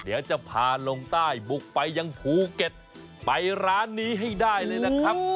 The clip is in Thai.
เดี๋ยวจะพาลงใต้บุกไปยังภูเก็ตไปร้านนี้ให้ได้เลยนะครับ